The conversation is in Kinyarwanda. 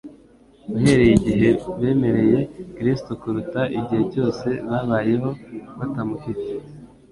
uhereye igihe bemereye Kristo kuruta igihe cyose babayeho batamufite.